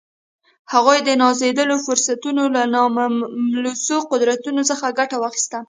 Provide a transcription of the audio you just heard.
هغوی د نازېږېدلو فرصتونو له ناملموسو قدرتونو څخه ګټه واخیسته